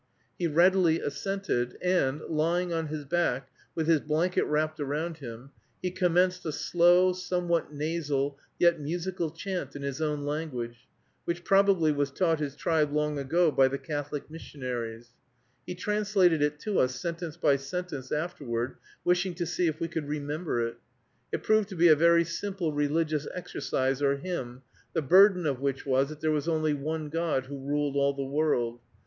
He readily assented, and, lying on his back, with his blanket wrapped around him, he commenced a slow, somewhat nasal, yet musical chant, in his own language, which probably was taught his tribe long ago by the Catholic missionaries. He translated it to us, sentence by sentence, afterward, wishing to see if we could remember it. It proved to be a very simple religious exercise or hymn, the burden of which was, that there was only one God who ruled all the world.